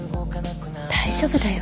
大丈夫だよ。